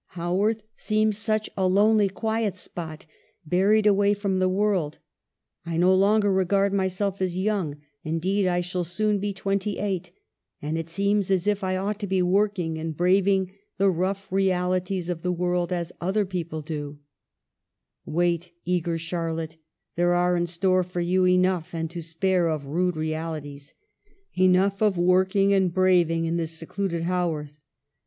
... Haworth seems such a lonely quiet spot, buried away from the world. I no longer regard myself as young, indeed, I shall soon be twenty eight ; and it seems as if I ought to be working, and braving the rough realities of the world, as other people do —" 1 Wait, eager Charlotte, there are in store for you enough and to spare of rude realities, enough of working and braving, in this secluded Ha worth.